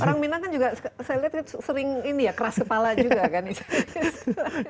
orang minang kan juga saya lihat sering keras kepala juga kan